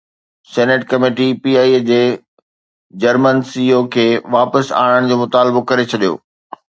senate committee P I A جي German C E O کي واپس آڻڻ جو مطالبو ڪري ڇڏيو